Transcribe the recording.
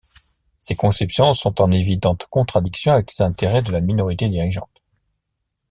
Ces conceptions sont en évidente contradiction avec les intérêts de la minorité dirigeante.